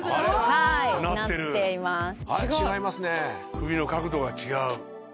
首の角度が違う。